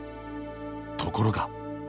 ところが。